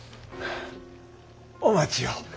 お待ちを。